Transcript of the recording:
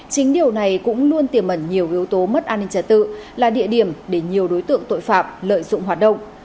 chính điều này cũng luôn tiềm ẩn nhiều yếu tố mất an ninh trả tự là địa điểm để nhiều đối tượng tội phạm lợi dụng hoạt động